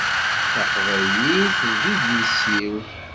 Taqbaylit d idles-iw.